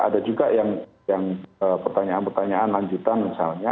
ada juga yang pertanyaan pertanyaan lanjutan misalnya